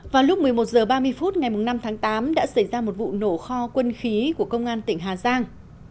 vào lúc một mươi một h ba mươi phút ngày năm tháng tám đã xảy ra một vụ nổ kho quân khí của công an tỉnh hà giang